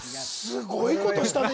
すごいことしたね